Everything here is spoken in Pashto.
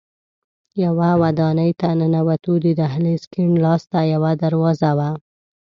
یوه ودانۍ ته ننوتو، د دهلېز کیڼ لاس ته یوه دروازه وه.